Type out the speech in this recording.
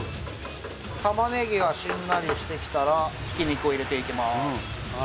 玉ねぎがしんなりしてきたらひき肉を入れていきます